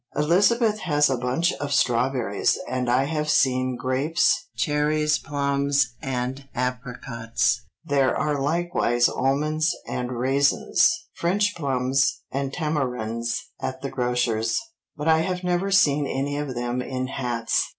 Elizabeth has a bunch of strawberries, and I have seen grapes, cherries, plums, and apricots. There are likewise almonds and raisins, French plums, and tamarinds at the grocers', but I have never seen any of them in hats.